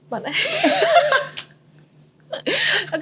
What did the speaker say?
แบบนั้น